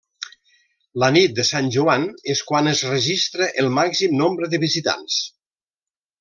La nit de Sant Joan és quan es registra el màxim nombre de visitants.